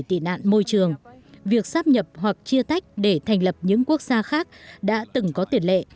để tị nạn môi trường việc sắp nhập hoặc chia tách để thành lập những quốc gia khác đã từng có tiền lệ